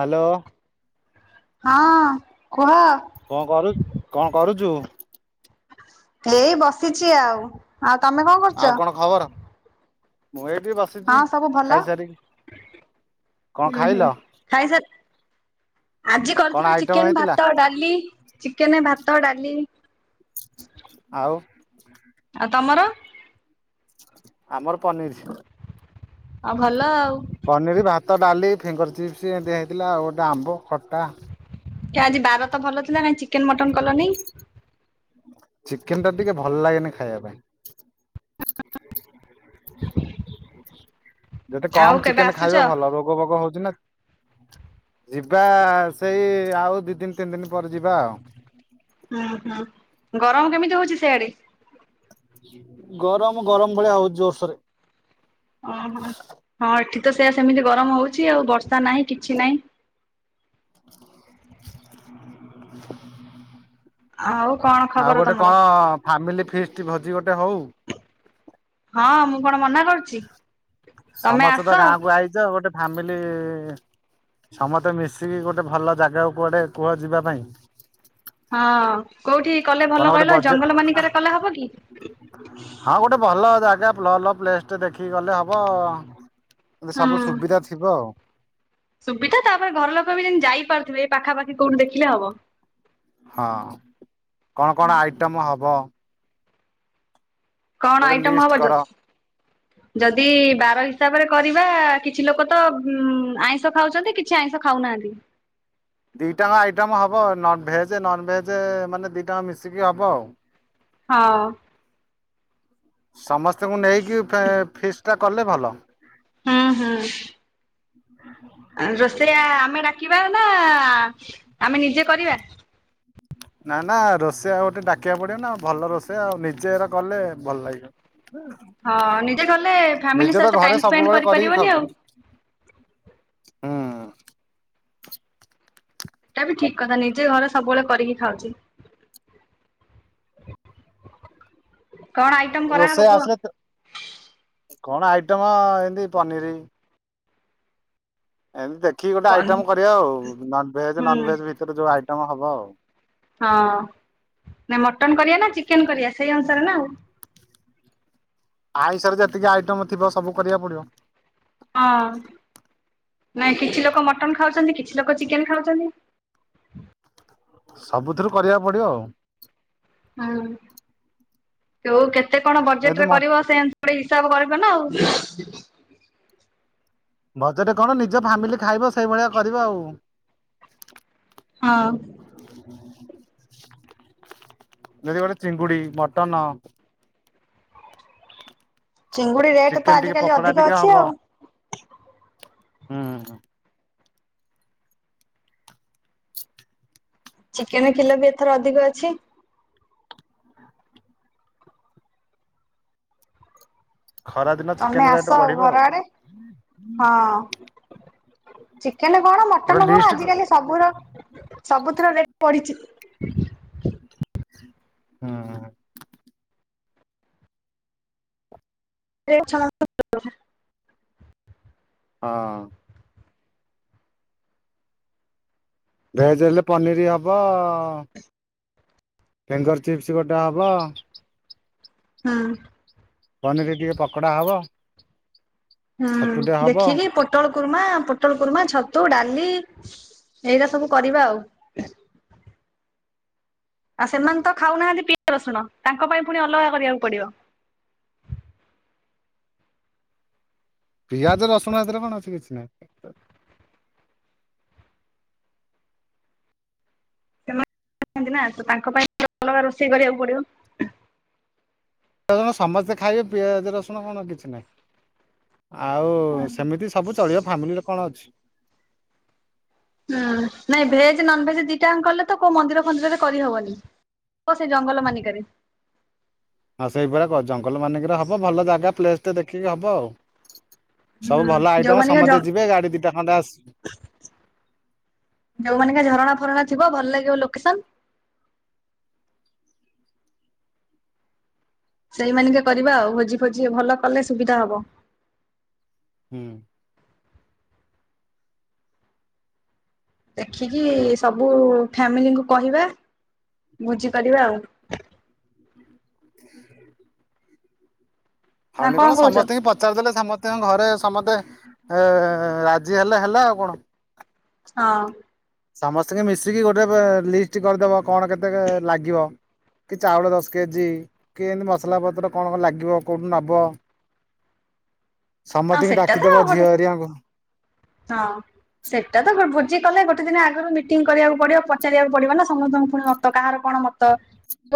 Hello. ହଁ କୁହ କଣ କରୁ କଣ କରୁଚୁ? ଏଇ ବସିଛି ଆଉ। ଆଉ ତମେ କଣ ଆଉ ଖବର? କରୁଚ? ମୁଁ ଏଇଠି ବସିଛି ଖାଇସାରିକି କଣ ହୁଁ ହୁଁ ଖାଇଲ? ଖାଇସାର ଆଜି କଣ କରିଥିଲୁ ଆଇଟମ ଚିକେନ, ହେଇଥିଲା ଭାତ ଡାଲି, ଚିକେନ, ଭାତ, ଡାଲି ଆଉ ଆଉ ତମର? ଆମର ପନିର ଆଉ ଭଲ ଆଉ ପନିର, ଭାତ, ଡାଲ ଫିଙ୍ଗର ଚିପ୍ସ, ଏତିଆ ଦିଆଯାଇଥିଲା, ଆଉ ଗୋଟେ ଆମ୍ବ ଖଟା। କି ଆଜି ବାର ତ ଭଲ ଥିଲା ନାଇ ଚିକେନ ମଟନ କଲନି? ଚିକେନ ଟା ଟିକେ ଭଲ ଲାଗେନି ଖାଇବା ପାଇଁ। ଯେତେ ଆଉ କମ କେବେ ଚିକେନ ଆସୁଛ? ଖାଇବ ଭଲ ରୋଗ ବୋଗ ହୋଉଚି ନା ଯିବା ସେଇ ଆଉ ଦିଇ ଦିନ ତିନି ଦିନ ପରେ ଯିବା ଆଉ। ହୁଁ ହୁଁ ଗରମ କେମିତି ହୋଉଚି ସେଇଆଡେ? ଗରମ ଗରମ ଭଳିଆ ହୋଉଚି ଜୋର ସରେ। ଓହୋ ହଁ ଠି ତ ସେୟା ସେମିତି ଗରମ ହୋଉଚି ଆଉ ବର୍ଷା ନାହିଁ କିଛି ନାହିଁ। [unintelligible] ଆଉ କଣ ଆଉ ଖବର ଗୋଟେ ତମର? କଣ? ଫାମିଲ ଫିଷ୍ଟ ଭୋଜି ଗୋଟେ ହୋଉ। ହଁ ମୁଁ କଣ ମନା କରୁଚି? ସମସ୍ତେ ତ ଗାଁକୁ ଆଇଚ ଗୋଟେ ଫ୍ୟାମିଲି ସମସ୍ତେ ମିଶିକି ଗୋଟେ ଭଲ ଜାଗାକୁ କୁଆଡେ କୁହ ଯିବା ପାଇଁ। ହଁ। କୋଉଠି କଲେ କଣ ଭଲ ଗୋଟେ କହିଲ ବଜେ ଜଙ୍ଗଲ ମାନିକାରେ କଲେ ହବ କି? ଯେ ଭଲ ପ୍ଲେସ ଟେ ଦେଖିକି ଗଲେ ହବ। ଏ ସବୁ ହୁଁ ସୁବିଧା ଥିବ ଆଉ। ସୁବିଧା ତାପରେ ଘର ଲୋକ ବି ଯେମିତି ଯାଇପାରୁଥିବେ ଏଇ ପାଖାପାଖି କୋଉଠି ଦେଖିଲେ ହବ। ହଁ କଣ କଣ ଆଇଟମ ହବ? କଣ ଗୋଟେ ଆଇଟମ ଲିଷ୍ଟ ହବ? ଯ କର ଯଦି ବାର ହିସାବରେ କର କିଛି ଲୋକ ତ ଉ ଆଇଁଷ ଖାଉଛନ୍ତି କିଛି ଆଇଁଷ ଖାଉନାହାନ୍ତି। ଦିଇ ଟାଙ୍କ ଆଇଟମ ହବ। ଭେଜ ନନ ଭେଜ ମାନେ ଦି ଟାଙ୍କ ମିଶିକି ହବ ଆଉ। ହଁ। ସମସ୍ତଙ୍କୁ ନେଇକି ଫିସ୍ଟା କଲେ ଭଲ। ହୁଁ ହୁଁ। ରୋଷେଇଆ ଆମେ ଡାକିବା ନା ଆମେ ନିଜେ କରିବା। ନା ନା ରୋଷେଇଆ ଗୋଟେ ଡାକିବା ପଡିବ ନା ଭଲ ରୋଷେଇଆ ଆଉ ନିଜେ ଏରା କଲେ ଭଲ ହଁ ନିଜେ କଲେ ଲାଗିବନି। ଫ୍ୟାମିଲି ନିଜେ ତ ସହିତ ଟାଇମ ଘରେ ସ୍ପେଣ୍ଡ ସବୁବେଳେ କରିକି କରିପାରିବନି ଆଉ। ଖାଉଚନ୍ତି। ହୁଁ। ଏଟା ବି ଠିକ କଥା ନିଜେ ଘରେ ସବୁବେଳେ କରିକି ଖାଉଛି। କଣ ଆଇଟମ କରାହବ ରୋଷେଇ କୁହ? ଆସିଲେ କଣ ଆଇଟମ ଏମତି ପନିର ଏମତି ଦେଖିକି ଗୋଟେ ଆଇଟମ କରିବା ଆଉ ନନ ଭେଜ ହୁଁ ନନଭେଜ ଭିତରେ ଯୋଉ ଆଇଟମ ହବ ଆଉ। ହଁ, ନା ମଟନ କରିବା ନା ଚିକେନ କରିବା ସେଇ ଅନୁସାରେ ନା ଆଉ। ଆଇଁଷରେ ଯେତିକି ଆଇଟମ ଥିବ ସବୁ କରିବାକୁ ପଡିବ। ହଁ। ନାଇଁ କିଛି ଲୋକ ମଟନ ଖାଉଚନ୍ତି କିଛି ଲୋକ ଚିକେନ ଖାଉଚନ୍ତି। ସବୁଥିରୁ କରିବାକୁ ପଡିବ ଆଉ। ହୁଁ ତଉ କେତେ କଣ ବଜେଟ ଯଦି ରେ ମ କରିବ? ସେତି ଗୋଟେ ହିସାବ କରିବ ନା ଆଉ। ବଜରେ କଣ? ନିଜ ଫାମିଲି ଖାଇବ ସେଇଭଳିଆ କରିବା ଆଉ। ହଁ। ଜଡ଼ିଗୋଟେ ଚିଙ୍ଗୁଡି ମଟନ ଚିଙ୍ଗୁଡି ରେଟ୍ ତ ଚିକେନ ଟିକେ ଆଜିିକାଲି ପକୋଡା ଅଧିକ ଟିକେ ଅଛି ହବ ଆଉ। ହୁଁ। ଚିକେନ କିଲୋ ବି ଏଥର ଅଧିକ ଅଛି। ଖରା ଦିନ ତମେ ଚିକେନ ରେଟ ଆସ ବଢିବ ଆଉ ଘର ଆଡେ ହଁ। ଚିକେନ କଣ ଗୋଟେ ମଟନ କଣ ଲିଷ୍ଟ ହୁଁ ଆଜିକାଲି ସବ ସବୁଥିରରେଟ ବଢିଛି। ହଁ। [unintelligible] ହଁ। ଭେଜ ହେଲେ ପନିର ହବ। ଫିଙ୍ଗର ଚିପ୍ସ ଗୋଟେ ହବ। ହୁଁ। ପନିର ଟିକେ ପକୋଡା ହବ ହୁଁ ଛତୁଟେ ହବ ଦେଖିକି ପୋଟଳ କୁର୍ମା ପୋଟଳ କୁର୍ମା ଛତୁ ଡାଲି ଏଇଟା ସବୁ କରିବା ଆଉ। ଆଉ ସେମାନେ ତ ଖାଉନାହାନ୍ତି। ପିଆଜ ରସୁଣ ତାଙ୍କ ପାଇଁ ପୁଣି ଅଲଗା କରିବାକୁ ପଡିବ। ପିଆଜ ରସୁଣ ସେଥିରେ କଣ ଅଛି କିଛି ନାହିଁ। [unintelligible] ନା ତ ତାଙ୍କ ପାଇଁ ଅଲଗା ରୋଷେଇ କରିବାକୁ ପଡିବ। ତ ସମସ୍ତେ ଖାଇବେ ପିଆଜ ରସୁଣ କଣ କିଛି ନାହିଁ। ଆଉ ସେମିତି ସବୁ ଚଳିବ ଫ୍ୟାମିଲିରେ କଣ ନା ନାଇଁ ଭେଜ ନନ୍ ଭେଜ ଦିଇଟା ଜାଙ୍କ କଲେ ତ କୋଉ ମନ୍ଦିର ଫନ୍ଦୀରରେ କରି ହବନି। ହ ସେ ଜଙ୍ଗଲ ମାନିକରେ। ହଁ ସେଇଭଳିଆ କ ଜଙ୍ଗଲ ମାନଙ୍କରେ ହବ। ଭଲ ଜାଗା ପ୍ଲେସ ଟେ ଦେଖିକି ହବ ଆଉ। ସବୁ ହୁଁ ଭଲ ଆଇଟମ ଯୋଉମାନିକା ଜ ସମସ୍ତେ ଯିବେ ଗାଡି ଦିଟା ଖଣ୍ଡେ ଆସି ଯୋଉଁମାନେଙ୍କ ଝରଣା ଫରଣା ଥିବ ଭଲ ଲାଗିବ ଲୋକେସନ୍ ସେଇମାନିକେ କରିବା ଆଉ ଭୋଜି ଫୋଜି ଭଲ କଲେ ସୁବିଧା ହବ। ହୁଁ। ଦେଖିକି ସବୁ ଫ୍ୟାମିଲିଙ୍କୁ କହିବା ବୁଝିପାରିବା ଆଉ। ନା ହଉନି କଣ କହୁଛ? ସମସ୍ତେଙ୍କୁ ପଚାରି ଦେଲେ ସମ ତାଙ୍କ ଘରେ ସମସ୍ତେ ଏ ରାଜି ହେଲେ ହେଲା ଆଉ କଣ ହଁ। ସମସ୍ତଙ୍କୁ ମିଶିକି ଗୋଟେ ଲିଷ୍ଟ କରିଦେବ କଣ କେତେ ଲାଗିବ କି ଚାଉଳ ଦଶ କେଜି କି ଏମିତି ମସଲାପତ୍ର କଣ କଣ ଲାଗିବ କୋଉଠୁ ନବ ହଁ ସମସ୍ତଙ୍କୁ ସେଟା ତ ଡାକିଦବ ଆଉ ଝିଅ ଗୋଟେ ହେରିଆଙ୍କୁ ହଁ। ସେଟା ତ ଗୋଟେ ଭୋଜି କଲେ ଗୋଟେ ଦିନ ଆଗରୁ ମିଟିଂ କରିବାକୁ ପଡିବ ପଚାରିବାକୁ ପଡିବ ନା ସମସ୍ତଙ୍କୁ ପୁଣି ମତ କାହାର କଣ ମତ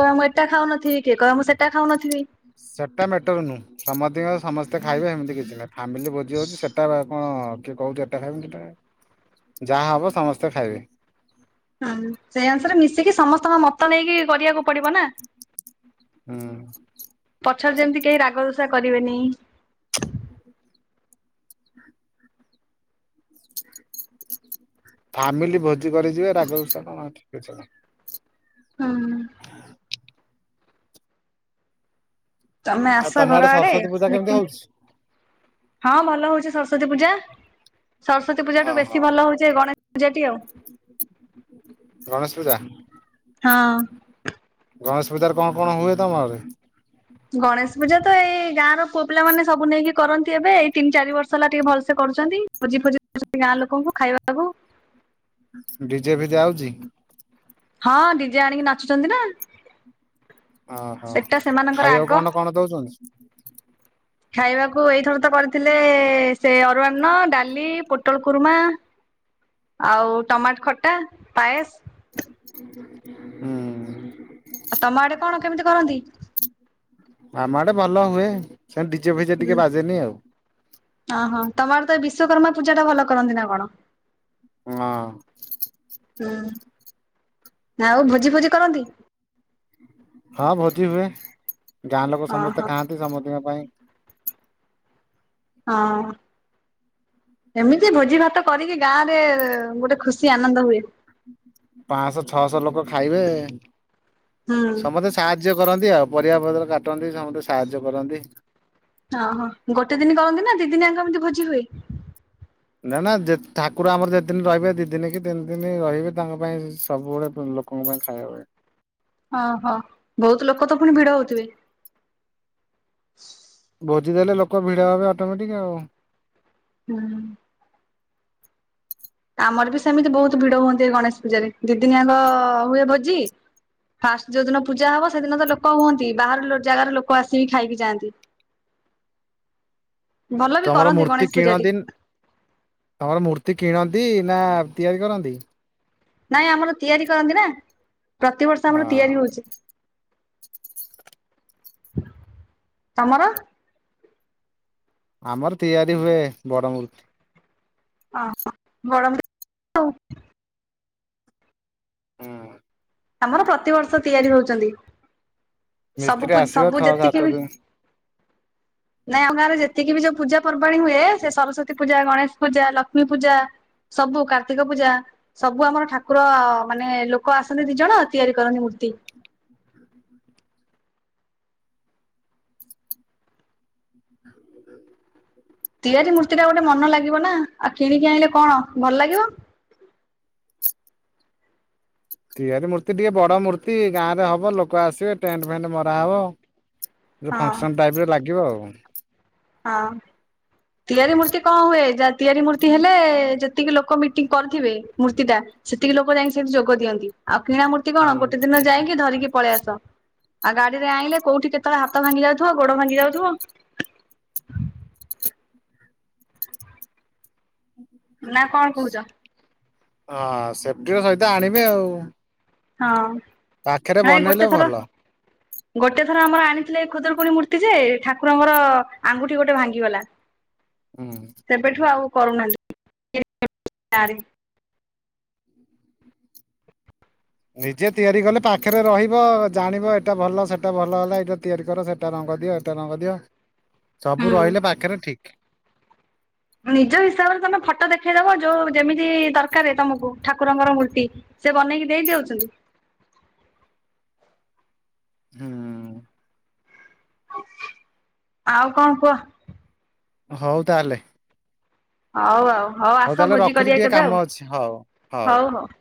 କହେ ମୁଁ ଏଟା ଖାଉନଥିବି କି କହେ ମୁଁ ସେଟା ଖାଉନଥିବି। ସେଟା ମ୍ୟାଟର ନୁହଁ ସମସ୍ତଙ୍କ ସମସ୍ତେ ଖାଇବେ ସେମିତି କିଛି ନ ଫାମିଲି ଭୋଜି ହୋଉଚି ସେଇଟା କଣ କିଏ କୋହୁଚି ଏଟା ଖାଇବ କେଟା ଖାଇ ଯାହା ହବ ସମସ୍ତେ ଖାଇବେ। ହଁ ସେଇ ଅନୁସାରେ ମିଶିକି ସମସ୍ତଙ୍କ ମତ ନେଇକି କରିବାକୁ ପଡିବ ନା। ହୁଁ। ପଛରେ ଯେମିତି କେହି ରାଗ ଋଷା କରିବେନି। ଫାମିଲି ଭୋଜି କରି ଯିବେ। ରାଗ ରୁଷା କଣ କିଛି ନାଇ। ହୁଁ। ତମେ ଆଉ ଆସ ତମ ଘର ଆଡେ ସରସ୍ଵତୀ ପୂଜା କେମିତି ମିଟିଂ ହଉଛି? ହଁ ଭଲ ହଉଛି ସରସ୍ଵତୀ ପୂଜା। ସରସ୍ଵତୀ ପୂଜାଠୁ ଓହୋ ବେଶୀ ଭଲ ହଉଚେ ଗଣେଶ ପୂଜାଟି ଆଉ। ଗଣେଶ ପୂଜା ହଁ। ଗଣେଶ ପୂଜାର କଣ କଣ ହୁଏ ତମରେ ଗଣେଶ ପୂଜା ତ ଏଇ ଗାଁର ପୁଅ ପିଲା ମାନ ସବୁ ନେଇକି କରନ୍ତି ଏବେ। ଏଇ ତିନି ଚାରି ବର୍ଷ ହେଲା ଟିକେ ଭଲସେ କ କରୁଛନ୍ତି ଭୋଜି ଫୋଜି କରଛନ୍ତି ଗାଁ ଲୋକଙ୍କୁ ଖାଇବାକୁ ଡିଜେ ଫିଜେ ଆଉଛି। ହଁ ଡିଜେ ଆଣିକି ନାଚୁଛନ୍ତି ନା। ଅହ ସେଟା ସେମାନଙ୍କର ଖାଇବାକୁ ଆଗ କଣ କଣ ଦଉଛନ୍ତି। ଖାଇବାକୁ ଏଇଥର ତ କରିଥିଲେ ସେ ଅରୁଆ ଅନ୍ନ ଡାଲି ପୋଟଳ କୁରୁର୍ମା ଆଉ ଟମାଟ ଖଟା ପାଏସ। ହୁଁ। ଆଉ ତମ ଆଡେ କଣ କେମିତି କରନ୍ତି? ଗୋଟେ ଭଲ ହୁଏ। ସେ ଡିଚହେ ଫିଜେ ହୁଁ ଟିକେ ବାଜେନି ଆଉ। ଓହୋ ତମ ଆଡେ ତ ବିଶ୍ଵକର୍ମା ପୂଜା ଟା ଭଲ କରନ୍ତି ନା କଣ? ହଁ। ହୁଁ ନା ଆଉ ଭୋଜି ଫୋଜି କରନ୍ତି? ହଁ ଭୋଜି ହୁଏ। ଗାଁ ଲୋକ ସମସ୍ତେ ଓହୋ ଖାଆନ୍ତି ସମଦଙ୍କ ପାଇଁ ହଁ। ଏମିତି ଭୋଜି ଭାତ କରିକି ଗାଁରେ ଗୋଟେ ଖୁସି ଆନନ୍ଦ ହୁଏ। ପାଂଶହ ଛଅଶହ ଲୋକ ଖାଇବେ ହୁଁ ସମସ୍ତେ ସାହାଯ୍ୟ କରନ୍ତି ଆଉ ପରିବା ପତ୍ର କାଟନ୍ତି ସମସ୍ତେ ସାହାଯ୍ୟ କରନ୍ତି। ଓ ହୋ ଗୋଟେ ଦିନ କରନ୍ତି ନା ଦି ଦିନି ଆଙ୍କ ଏମିତି ଭୋଜି ହୁଏ। ନା ନା ଯେ ଠାକୁର ଆମର ଯେତେ ଦିନ ରହିବେ ଦି ଦିନ କି ତିନି ଦିନ ରହିବେ ତାଙ୍କ ପାଇଁ ସବୁ ଲୋକଙ୍କ ପାଇଁ ଖାଇବା ହୁଏ। ହଁ ହଁ ବହୁତ ଲୋକ ତ ପୁଣି ଭିଡ ହଉଥିବେ? ହ ଭୋଜି ଦେଲେ ଲୋକ ଭିଡ଼ ଭବେ ଅଟୋମେଟିକ୍ ଆଉ। ହୁଁ। ଆମର ବି ସେମିତି ବହୁତ ଭିଡ ହୁଅନ୍ତି। ଏ ଗଣେଶ ପୂଜାରେ ଦିଦିନିଆଙ୍କ ହୁଏ ଭୋଜି ଫାଷ୍ଟ ଯୋଉ ଦିନ ପୂଜା ହବ ସେଦିନ ତ ଲୋକ ହୁଅନ୍ତି ବାହାର ଜାଗାରେ ଲୋକ ଆସିକି ଖାଇକି ଯାଆନ୍ତି। ଭଲ ବି ତମର କରନ୍ତି ମୂର୍ତ୍ତି ଗଣେଶ ପୂଜାଟି କିଣନ୍ତି ତମର ମୂର୍ତ୍ତି କିଣନ୍ତି ନା ତିଆରି କରନ୍ତି। ନାଇଁ ଆମର ତିଆରି କରନ୍ତି ନା ପ୍ରତିବର୍ଷ ଆମର ହଁ ତିଆରି ହଉଛି। ତମର? ଆମର ତିଆରି ହୁଏ ବଡ ମୃତି ଅହ ବଡ ଆମର ପ୍ରତିବର୍ଷ ତିଆରି ହଉଛନ୍ତି। ସବୁ ମିସ୍ତ୍ରୀ ପୂ ଆସିବ ସବୁ ଛଅ ସାତ ଯେତିକି ବି ଦିନ ନାଇଁ ଆମ ଗାଁରେ ଯେତିକି ବି ଯୋଉ ପୂଜା ପର୍ବାଣୀ ହୁଏ ସେ ସରସ୍ଵତୀ ପୂଜା, ଗଣେଶ ପୂଜା, ଲକ୍ଷ୍ମୀ ପୂଜା ସବୁ କାର୍ତ୍ତିକ ପୂଜା ସବୁ ଆମର ଠାକୁର ମାନେ ଲୋକ ଆସ ଦି ଜଣ ତିଆରି କରନ୍ତିି ମୂର୍ତ୍ତି ତିଆଜି ମୂର୍ତ୍ତି ଟା ଗୋଟେ ମନ ଲାଗିବ ନା ଆଉ କିଣିକି ଆଣିଲେ କଣ ଭଲ ଲାଗିବ। ତିଆରି ମୂର୍ତ୍ତି ଟିକେ ବଡ ମୂର୍ତ୍ତି ଗାଁ ରେ ହବ ଲୋକ ଆସିବେ ଟେଣ୍ଟ ଫେଣ୍ଟ ମରାହବ। ଯୋଉ ହଁ ଫଙ୍କସନ ଟାଇପର ଲାଗିବ ଆଉ। ହଁ। ତିଆରି ମୂର୍ତ୍ତି କଣ ହୁଏ ଯାହା ତିଆରି ମୂର୍ତ୍ତି ହେଲେ ଯେତିକି ଲୋକ ମିଟିଂ କରିଥିବେ। ମୂର୍ତ୍ତିଟା ସେତିକି ଲୋକ ଯାଇକି ସେଠି ଯୋଗ ଦିଅନ୍ତି ଆଉ କିଣା ମୂର୍ତ୍ତି କଣ ହୁଁ। ଗୋଟେ ଦିନ ଯାଇକି ଧରିକି ପଳେଇ ଆସ ଆଉ ଗାଡିରେ ଆଣିଲେ କୋଉଠି କେତେବେଳେ ହାତ ଭାଙ୍ଗି ଯାଉଥିବ ଗୋଡ ଭାଙ୍ଗି ଯାଉଥିବ ହଁ ନା କଣ କହୁଛ? ହଁ ସେଫଟି ର ସହିତ ଆଣିବେ ଆଉ। ହଁ। ପାଖରେ ନାଇଁ ଗୋଟେ ବନେଇଲେ ଥର ଭଲ। ଗୋଟେ ଥର ଆମର ଆଣିଥିଲେ ଖୁଦୁରକୁଣୀ ମୂର୍ତ୍ତି ଯେ ଠାକୁର ଙ୍କର ଆଙ୍ଗୁଠି ଗୋଟେ ଭାଙ୍ଗିଗଲା। ହୁଁ ସେବେଠୁ ଆଉ କରୁନାହାନ୍ତି [unintelligible] ଗାଁରେ। ନିଜେ ତିଆରି କଲେ ପାଖରେ ରହିବ ଜାଣିବ ଏଇଟା ଭଲ ସେଟା ଭଲ ହେଲା ଏଇଟା ତିଆରି କର ସେଟାର ଦିଅ ଏଟା ରଙ୍ଗଦିଅ ସବୁ ହୁଁ ରହିଲେ ପାଖରେ ଠିକ୍। ନିଜ ହିସାବରେ ତମେ ଫଟୋ ଦେଖେଇଦବ ଯୋଉ ଯେମିତି ଦରକାରେ ତମକୁ ଠାକୁରଙ୍କର ମୂର୍ତ୍ତି। ସେ ବନେଇକି ଦେଇଦଉଛନ୍ତି। ହୁଁ। ଆଉ କଣ କୁହ? ହଉ ତାହେଲେ। ହଉ ଆଉ ହଉ ଆସ ତାହେଲେ ଭୋଜି ରଖୁଛି କରିବା ଟିକେ କେବେ କାମ ଆଉ ଅଛି ହଉ ହଉ ହଉ।